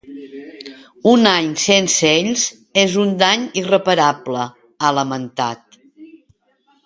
“Un any sense ells és un dany irreparable”, ha lamentat.